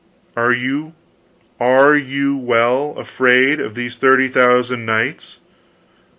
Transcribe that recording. "Are you are you well, afraid of these thirty thousand knights?"